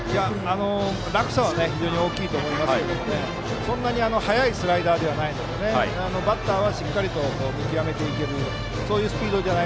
落差は非常に大きいと思いますがそんなに速いスライダーではないのでバッターはしっかり見極めていけるスピードです。